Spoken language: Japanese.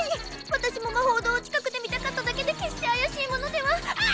私もＭＡＨＯ堂を近くで見たかっただけで決して怪しい者ではあ！